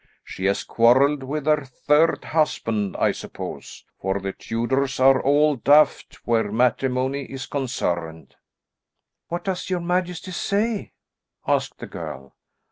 She has quarrelled with her third husband, I suppose, for the Tudors are all daft where matrimony is concerned." "What does your majesty say?" asked the girl.